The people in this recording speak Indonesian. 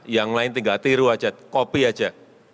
yang lain tinggal tiru saja copy saja